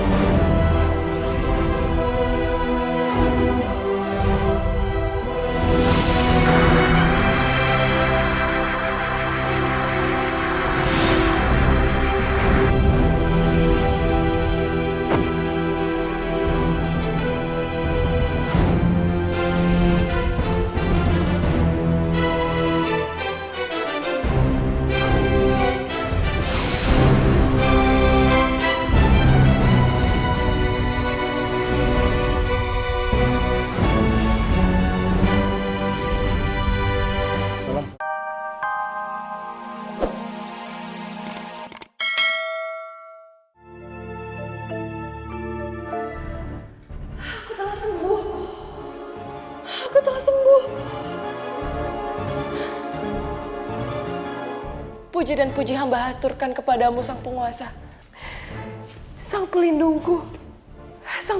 jangan lupa like share dan subscribe channel ini untuk dapat info terbaru dari kami